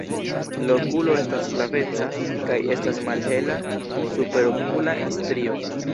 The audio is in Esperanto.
La okulo estas flaveca kaj estas malhela superokula strio.